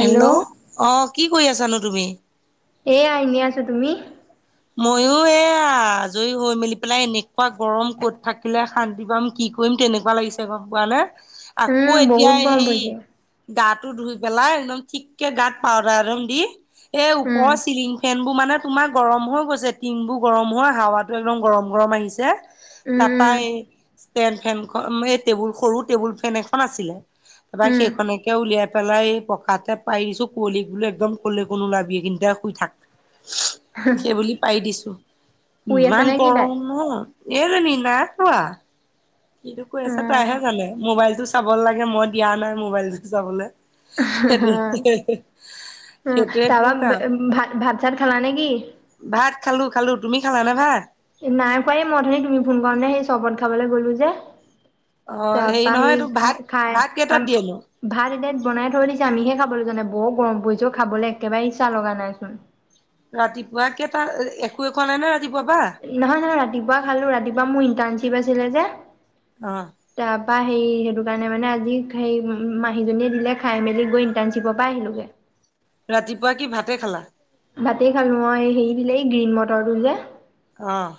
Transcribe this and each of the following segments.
Hello আহ কি কৰি আছা নো তুমি? এ আহ এনেই আছোঁ তুমি মইয়ো এয়া আজৰি হৈ মেলি পেলাই এনেকুৱা গৰম কত থাকিলে শান্তি পাম কি ফুৰিম তেনেকুৱা লাগিছে গম পোৱা নে আকৌ উম এতিয়া বহুত গৰম এই পৰিছে গা টো ধুই পেলাই একদম ঠিক কে গাত পাউদাৰ একদম দি এই উম ওপৰৰ চিলিং ফেনবোৰ মানে তোমাৰ গৰম হৈ গৈছে টিং বোৰ গৰম হয় হাৱাতো একদম গৰম গৰম আহিছে উম তাৰপা উম এই ষ্টেণ্ড ফেনখন এই টেবুল সৰু টেবুল ফেন এখন আছিলে তাৰপৰা উম সেইখনককে উলিয়াই পেলাই এই পকাতে পাই দিছো বোলো একদম কলৈকো নোলাবি কিন্তু শুই থাক সেইবুলি পাৰি দিছোঁ শুই আছে ইমান নে কি তাই গৰম অ এই নি না আথুৱা কিনো কৈ আছে উম তাইহে জানে মোবাইলটো চাব লাগে মই দিয়া নাই মোবাইলটো চাবলৈ হেৰি উম সেইটোৱেই তাৰপা তোৰ কাম ভাত ভাত চাত খালা নে কি ভাত খালোঁ খালোঁ তুমি খালানে ভাত? এ নাই খোৱা এই মই অথনি তুমি ফোন কৰোঁতে সেই চৰবত খাবলৈ গলোঁ যে অ হেৰি তাৰপৰা নহয় সেই এইটো ভাত খাই ভাত কেইটাত আম দিয়েনো ভাত এতিয়া বনাই থৈ দিছে আমিহে খাবলৈ যোৱা নাই বৰ গৰম পৰিছে অ খাবলৈ একেবাৰে ইচ্ছা লগা নাই চোন ৰাতিপুৱা কেইটা একোৱেই খোৱা নাই নহয় নহয়-নহয় ৰাতিপুৱা খালো ৰাতিপুৱা মোৰ ইণ্টাৰ্ণশ্বিপ আছিলে যে আহ হে সেইটো কাৰণে মানে আজি সেই মাহীজনীয়ে দিলে খাই মেলি গৈ ইন্টাৰ্ণশ্বিপৰ পৰা আহিলোগে ৰাতিপুৱা কি ভাতে খালা ভাতেই খালো মই হেৰি দিলে গ্ৰীণ মটৰটো যে আহ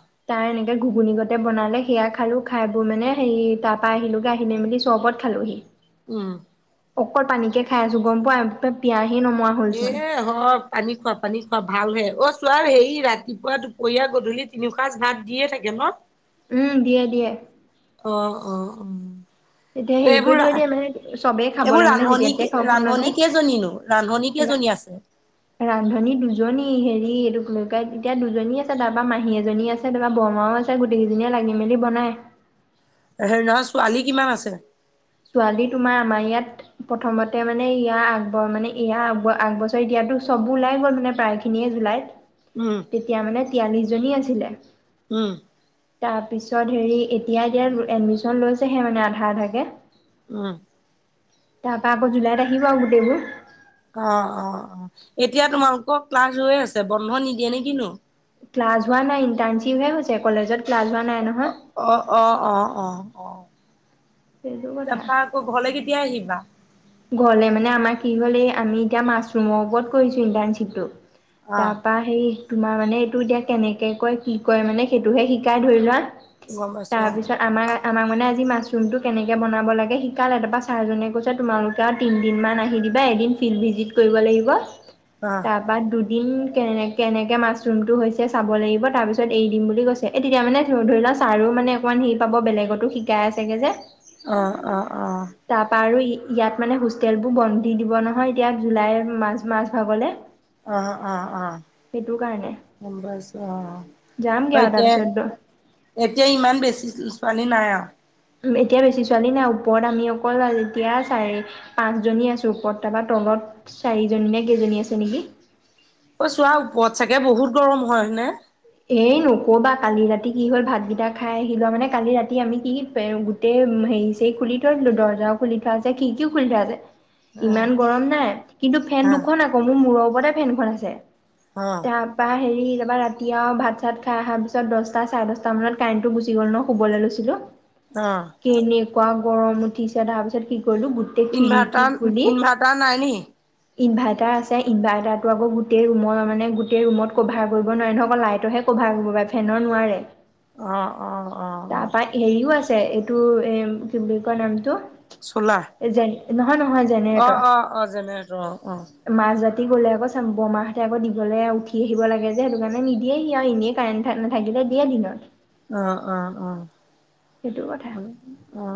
ঘুগুন গতে বনালে সেয়া খালো খাই বোৰ মানে সেৰি তাৰ পৰা আহিলো আহিলে মেলি চবত খালোহি উম। অকল পানী কে খাই আছোঁ গম পোৱা পিয়াজ এ হয় পানী খোৱাব পানী খোৱা ভাল হে অ চোৱাৰ হেৰি ৰাতিপুৱা দুপৰীয়া গধূলি তিনিও সাজ ভাত দিয়ে থাকে ন উম দিয়ে দিয়ে অ অ অ এতিয়া হেৰি এইবোৰ কৰি থৈ দিয়ে মানে চবে এইবোৰ ৰান্ধনী ৰান্ধনী কেইজনীনো ৰান্ধনী কেইজনী আছে ৰান্ধনী দুজনী হেৰি এইটোক লৈে এতিয়া দুজনী আছে তাৰ পৰা মাহী এজনী আছে তাৰপা বৰমাও আছে গোটেইকেইজনীয়ে লাগি মেলি বনায় হেৰি নহয় ছোৱালী কিমান আছে ছোৱালী তোমাৰ আমাৰ ইয়াত প্ৰথমতে মানে ইয়াৰ আগব মানে ইাৰ আ আগবছৰি দিয়াতো চব ওলাই গ'ল মানে প্ৰায় উম খিনিয়ে তেতিয়া মানে তিয়াল্লিশ জনী আছিলে উম তাৰপিছত হেৰি এতিয়া এতিয়া এডমিশন লৈছেহে মানে আধা আধাকে উম তাৰ প আকৌ জুলাই আহিব আ গোটেইবোৰ অ অ অ এতিয়া তোমালোকক ক্লাছ ৰয়ে আছে বন্ধ নিদিয়ে নে কিনো ক্লাছওৱ নাই ইণ্টাণশ্বিপ হে হৈছে কলেজ ক্লাছ ৱান অ অ অ অ অ সেইটো তাৰপা আকৌ ঘৰলে কেতিয়াই আহিবা ঘলে মানে আমাৰ কি হ'ল এই আমি এতিয়া মাছৰুমৰ ওৰত কৰিছো ইণ্টাৰ্ণশ্বিপটো অ তাৰপা সেই তোমাৰ মানে এইটো এতিয়া কেনেকৈ কয় কি কয় মানে সেইটোহে শিকাই ধৰি লোৱা আৰু গম পাইছো তাৰপিছত আমাৰ আমাক মানে আজি মাছৰুম টো কেনেকে বনাব লাগে শিকাল এ তপা ছাৰজনে কৈছে তোমালোক এ তিন দিন আহি দিবা এদিন ফিল্ড ভিজিট কৰিব লাগিব অ তাৰপ দু দিম কেনে কেনেকে মাছৰুমটো হৈছে চাব লাগিব তাৰ পিছত এৰি দিম বুলি কৈছে এ তেতিয়া মানে ধৰি লওক ছাৰো মানে অকমান হেৰি পাব বেলেগতো শিকাই আছেগে যে আহ অ আহ তাৰপা আৰু ইয়াত মানে হোষ্টেল বোৰ বধি দিব নহয় এতিয়া জুলাই ম মাছ ভাগলে আহ অ আহ সেইটো কাৰণে বছ অ যামগে আৰু এতিয়া তাৰপিছত এতিয়া ইমান বেছি ছোৱালী নাই আৰু এতিয়া বেছি ছোৱালী নাই ওপৰত আমি অকল যেতিয়া চাৰি পাঁচজনী আছো ওপৰত তাৰপৰা তলত চাৰিজনী নে কেইজনী আছে নেকি অ চোৱা ওপৰত চাগে বহুত গৰম হয় হয়নে? এই নকবা কালি ৰাতি কি হ'ল ভাতকেইটা খাই আহি লোৱা মানে কালি ৰাতি আমি কি কি গোটেই হে খুলি থৈ আছিলো দৰ্জাও খুলি থৈ আছে কি কি খুলি থৈ আছে অ ইমান গৰম নাই কিন্তু ফেন অ দুখন আকৌ মোৰ মূৰৰ ওপতে ফেনখন আছে অহ তাৰপা হেৰি তা ৰাতি এতিয়াও ভাত চাত খাইহা পিছত দহটা চাৰে দহটা মানত কাৰেণ্টটো গুচি গ'ল ন শুবলৈ লৈছিলো আহ একুৱা গৰম উঠিছে তাৰ পিছত কি কৰিলো গোটেই খিৰিকী ইনভাৰ্টাৰ খুলি ইনভাৰ্টাৰ নাই নি? ইনভাৰ্টাৰ আছে ইনভাৰ্টাৰটো আক গোটেই ৰুমৰ মানে গোটেই ৰুমত কভাৰ কৰিব নোৱাৰে নহয়। লাইটতৰেহে কভাৰ কৰিব পাৰে ফেনৰ নোৱাৰে। অ অ অ অ তাৰপা হেৰিও আছে এইটো এ কি বুলি কয় নামটো। চোলাৰ। যে নহয় নহয় অ', জেনেৰেটৰ অ', অ', জেনেৰেটৰ অ', অ'। মাছ জাতি দি গ'লে আকৌ বমাহঁতে আকৌ দি গলে উঠি আহিব লাগে যে সেইটো কাৰণে নি দিয়ে সিঁ এনেই কাৰেণ্ট নাথাকিলে দিয়ে দিনত। আ অ অ সেইটো কথা অ।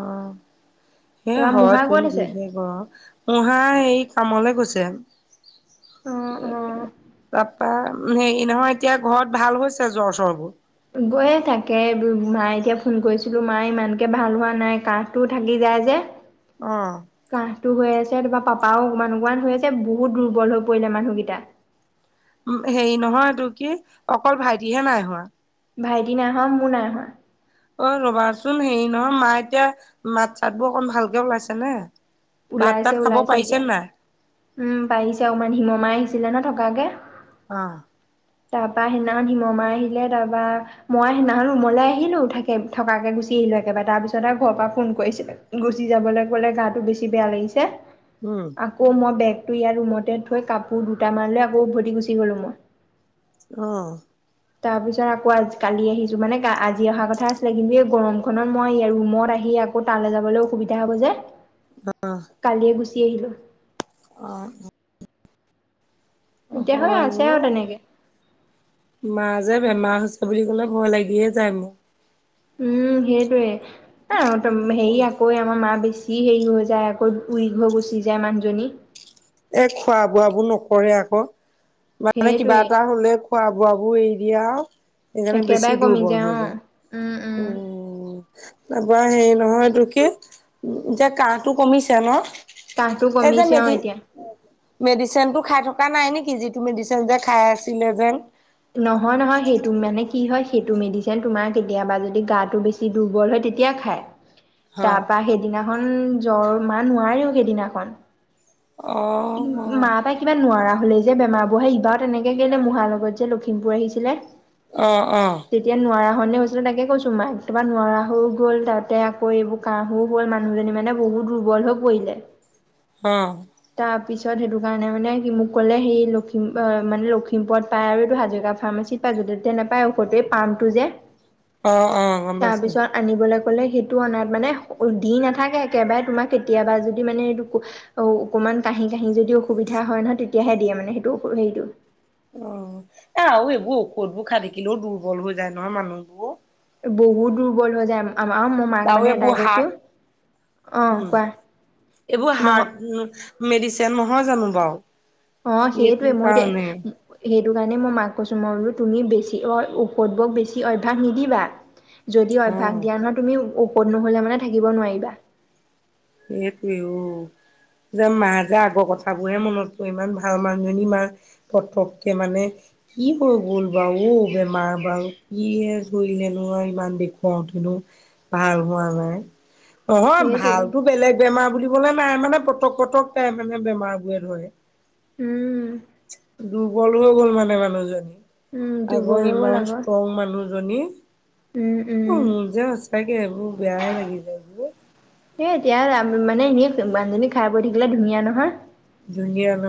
এ তাৰপৰা হয় মুঢ়া ক'ত তুলি আছে? যিহে কও মহাই সেই কামলে গৈছে। অ', অ'। তাপা হেৰি নহয় এতিয়া ঘৰত ভাল হৈছে জ্বৰ চ্বৰবোৰ। গৈয়ে থাকে এইবোৰ মায়ে এতিয়া ফোন কৰিছিলো মায়ে ইমানকে ভাল হোৱা নাই কাহটোও থাকি যায়। যে অ'। কাহটো হৈ আছে। তোমাৰ পাপাও অকমান অটমান হৈ আছে বহুত দুৰ্বল হৈ পৰিলে মানুহকেইটা। হেৰি নহয় এইটো কি অকল ভাইটিহে নাই হোৱা। ভাইটি নাই হোৱা মোৰ নাই হোৱা। অ ৰবাচোন হেৰি নহয় মা এতিয়া মাত চাতবোৰ অকন ভালকে ওলাইছে নে? ভাত ওলাইছে তাত খাব ওলাইছে পাৰিছে এতিয়া নাই? উম পাৰিছে অকমান হিমমাই আহিছিলে ন থকাকে। আহ। তাপা সেইদিনাখন হিমমা আহিলে তাপা মই সেইদিনাখনত ৰুমলে আহিলো থাকে থকাকে গুচি থাকি আহিলো একেবাৰে তাৰ পিছত আৰু ঘৰ পৰা ফোন কৰিছিলে গুচি যাবলৈ কলে গাটো বেছি বেয়া লাগিছে উম। আকৌ মই বেগ টো ইয়াৰ ৰুমতে থৈ কাপোৰ দুটামান লৈ আকৌ উভতি গুচি গলো মই। অহ তাৰপিছত আকৌ আজি কালি আহিছো মানে আজি অহা কথা আছিলে কিন্তু এই গৰম খনত মই ৰুমত আহি আকৌ তালৈ যাবলৈ অসুবিধা হ'ব যে। কালিয়ে গুচি আহিলোঁ। অ অ এতিয়া হৈ হয় আছে অ আৰু তেনেকে মা যে বেমাৰ হৈছ- বুলি কলে ভয় লাগিয়ে যায় মোক। উম সেইটোৱে হেৰি আকৌ আমাৰ মা বেছ- বেছি হেৰি হৈ যায় আকৌ উৰিঘ হৈ গুচি যায় মানুহজনী। এ খোৱা বোৱাবোৰ নকৰে আকৌ মানে কিবা সেইটোৱে এটা হলে খোৱা বোৱাবোৰ এই দিয়াও সেইকাৰণে বেছি একেবাৰে কমি দুৰ্বল হৈ অ যায়। উম তা পা হেৰি নহয় এইটো কি এতিয়া কাহটো কমিছে ন? কাহটো কমিছে অ এতিয়া। মেডিচিন টো খাই থকা নাই নেকি যিটো মেডিচিন যে খাই আছিলে যেন নহয় নহয় সেইটো মানে কি হয় সেইটো মেডিচিন তোমাৰ কেতিয়াবা যদি গাত বেছি দুৰ্বল হয় তেতিয়া খাই তাৰ হয়, পৰা সেইদিনা এখন জ্বৰ মা নোৱাৰেও সেইদিনাখন অ', মা অ', তাই কিবা নোৱাৰা। বোলে যে বেমাৰ বহে ইবাৰ তেনেকে কেলে মহাৰ লগত যে লখিমপুৰ আহিছিলে। আহ আহ সনে হৈছিলে তাকে কৈছো মা একোবা নোৱাৰা হৈ গ'ল তাতে আকৌ এইবোৰ কাহও হ'ল মানুহজনী মানে বহুত। দুৰ্বল হৈ পৰিলে। অহ তাৰ পিছত সেইটো কাৰণে মানে সি মোক ক'লে সেই লখিম মানে লখিমপুৰত পাই আৰু এইটো হাজৰিকা ফাৰ্মাছিত পায় যতে তাতে নাপায় ঔষতে পামটো যে অ', অ', গম পাইছোঁ। তাৰপিছত আনিবলে কলে সেইটো অনাত মানে দি নাথাকে একেবাৰে তোমাক কেতিয়াবা যদি মানে এইটো ঔ অকণমান কাঁহি কাঁহি যদি অসুবিধা হয় নহয় তেতিয়াহে দিয়ে মানে সেইটো হেৰিটো অ এ আৰু এইবোৰ ঔষধ বোৰ খাই থাকিলেও দুৰ্বল হৈ যায় নহয় মানুহবোৰ। বহুত দুৰ্বল হৈ যায় অ মই মাক আৰু মানে এইবোৰ এটাই হাৰ্ট কৈছো অ উম কোৱা এইবোৰ নহ হাৰ্ট মেডিচিন নহয় জানো বাৰু। অ সেইটো সেইটোৱে মইএতিয়া কাৰণে সেইটো সেইটো কাৰণে মই মাক কৈছো মই বোলো তুমি বেছি অ ঔষধ বোক বেছি অভ্যাস নিদিবা যদি অভ্যাস অ', দিয়া নহয় তুমি ঔষধত নহলে মানে থাকিব নোৱাৰিবা। সেইেতোৱে উম যে মা যে আগৰ কথাবোৰহে মনত পৰে ইমান ভাল মানুহ মা পতককে মানে কি হৈ গ'ল বাৰু অ বেমাৰ বাৰু কি ধৰিলে নো ইমান দেখুৱাওতে ভাল হোৱা নাই নহয় সেইটোৱে ভালতো বেলেগ বেমাৰ বুলি নাই মানে পটক পটককেই মানে বেমাৰ বোৰে ধৰে। উম দুৰ্বল হৈ গ'ল মানে মানুহজনী উম দুৰ্বল আগৰ হৈ গ'ল ইমান আকৌ ষ্ট্ৰং মানুহ। ৰণী উম অ উম মোৰ যে সঁচাকে এইবোৰ বেয়াহে লাগি যায়। ইয়াৰ মানে সে মানহজনী খাই বৈ থাকিলে ধুনীয়া নহয়। ধুনীয়া নহয়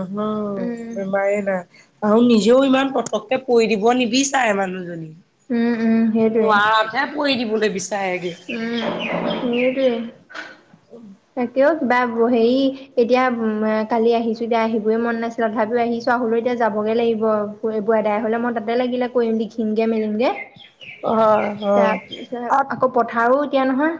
উম। [unintelligible] আৰু নিজেও ইমান পটককে পৰি দিব নিবিচাৰে মানুহজনী উম উম হেইটোৱে নোৱাৰাতহে পৰি দিবলৈ বিচাৰেগে। উম হেইটোৱে [inaudible] উম কিয় কিবা হেৰি এতিয়া কালি আহিছো এতিয়া আহিবই মন নাছিল তথাপিও আহিছো আও [unintelligible] এতিয়া যাবগে লাগিব বু দাই হলে মই তাতে লাগিলে কৰিম লিখিমগে মেলিমগে। হয় হয়। তাৰপিছত আকৌ পথাৰো এতিয়া নহয়।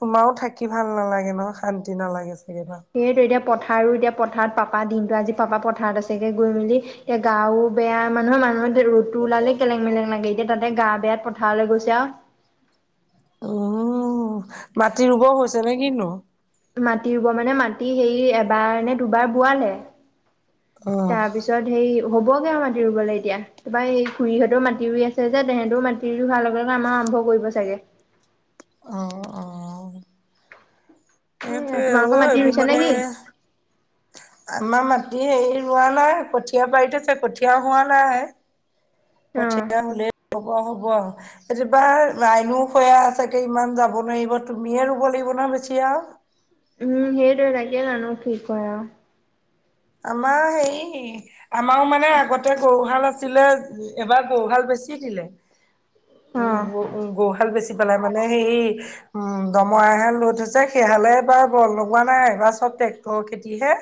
তোমাও থাকি ভাল নালাগে নহয় শান্তি নালাগে। চাগে ন? সেইয়েটোৱেটো এতিয়া পথাৰো এতিয়া পথাৰ [unintelligible] পাপা দিনটো আজি পাপা পথাৰত আছেগে গৈ মেলি এতিয়া গাঁও বেয়া মানুহৰ মানুহে ৰ'দটো ওলালে কেলেং মেলেং লাগে এতিয়া তাতে গা বেয়াত পথাৰলৈ গৈছে আৰু [unintelligible] উম মাটি ৰুব হৈছে নে কিনো? মাটি ৰুব মানে মাটি হে এবাৰ নে দুবাৰ বোৱালে। অহ। তাৰপিছত সেই হ'বগে আৰু মাটি ৰুবলে এতিয়া তাৰা এই খুৰীহঁতেও মি ৰুই আছে যে, তেহেঁতও মাটি ৰুৱা হোৱাৰ লগে লগে আমাৰ আৰম্ভ কৰিব চাগে। অ অ। এ সেইটোৱে তোমালোকৰ অ মাটি এইবোৰ ৰুইছা নে মানে কি আমা মাত এ হেৰি ৰোৱা নাই কঠীয়া বাৰীত আছে কঠীয়া হোৱা নাই। অ কঠীয়া হলে কব হ'ব আও। এতিয়াবা ৰাইনো খয়া চাগে ইমান যাব নোৱাৰিব তুমিয়ে ৰুব লাগিব ন বেছি আও উম হেইটোৱে [unintelligible] না ন কি কয় আও। আমাৰ হে আমাৰো মানে আগতে গৰুহাল আছে এবাৰ গৰুহাল বেছি দিলে উ অ উ গৰুহাল বেছি পেলাই মানে সেই উম দমৰাহাল লৈ থছে সে হালেবাৰ বল লগোৱা নাই এইবাৰ চব ঘৰৰ খেতি হে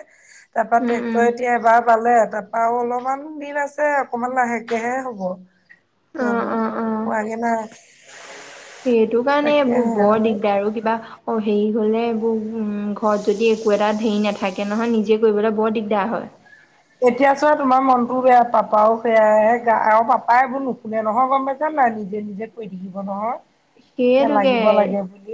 তাৰপা উম উম ট্ৰেক্টৰ এতিয়া এবাৰ বালে তাৰপৰাও অলপমান দিন আছে। অকমান লাহেকেহে হ'ব অ জানো অ অ পোৱাগে নাই। সেইটো কাৰণে বৰ দিগদাৰ আৰু কিবা অঁ হেৰি হ'লে এইবোৰ ঘৰত যদি একো এটা হেৰি নাথাকে নহয় নিজে কৰিবলৈ বৰ দিগদাৰ হয়। [inaudible] এতিয়া চোৱা তোমাৰ মনটো [unintelligible] বেয়া পাপাও সেয়াইো আৰু পাপাইবোৰ নুশুনে নহয় গম পাইচা নাই? তাই নিজে নিজে কৈ থাকিব নহয়। যে সেইয়েতোকে লাগিব লাগে বুলি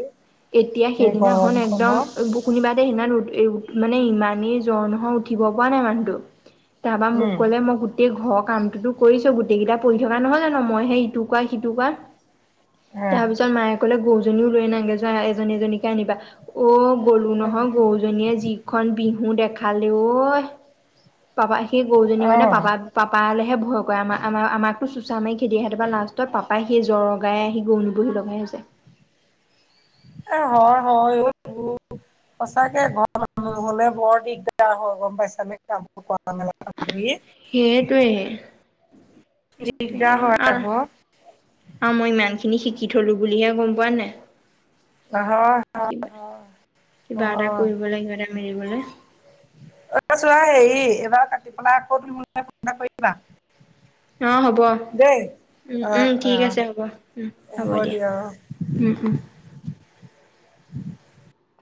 এতিয়া এই সেইদিনাখন একদম গৰমখনত কোনোবা সিদিনা উ এ মানে ইমানেই জ্বৰ নহয় উঠিব পৰা নাই মানুহটো। তাপা মোক উম কলে মই গোটেই ঘৰ কামটোতো কৰিছো গোটেই কেইটা পঢ়ি থকা নহয় জানো মই হে ইটো কোৱা সিটো কোৱাত কাম হা তাৰ পিছত মায়ে কলে গৰুজনীও লৈ আনাগে যোৱা এজনী জনীকে আনিবা। অ গলো নহয় গৰুজনীয়ে যিখন বিহু দেখালে ঐ। পাপা সেই গৰুজনী অ মানে পাপা পাপালেহে ভয়। ভয় কৰে আমা আমাকতো চোচা মাৰি খেদি আহে লাষ্টত পাপাই সেই জ্বৰৰ গায়ে আহি গৰু লগাই যে। অ হয় হয় অও। সচাকে ক ঘৰ মানুহ নগলে বৰ দিগদাৰ হয় ক গম পাইছা নে কামবোৰ কৰা মেলা। ধৰি সেইটোৱে। কি দিগদাৰ হয় আহ [unintelligible] আকৌ আমি শিকি থলো বুলিহে গম পোৱা নাই। হয় হয় কিবা কিবা এটা কৰিবলে কিবা এটা মেলিবলে। অ চোৱা হেৰি এইবাৰ কাটি পেলাই আকৌ তুমি মোলে ফোন এটা কৰিবা। অ হব। দেই উম অ উম ঠিক আছে হ'ব উম হ'ব দিয়া উম উম। [unintelligible]